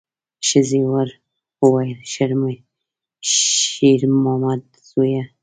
ښځې ورو وویل: شېرمامده زویه!